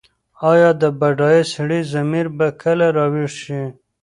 ایا د بډایه سړي ضمیر به کله راویښ شي؟